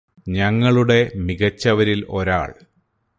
ഞങ്ങളുടെ മികച്ചവരില് ഒരാള്